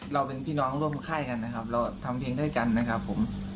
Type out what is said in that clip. เราเป็นพี่น้องร่วมค่ายกันทำเพลงได้กัน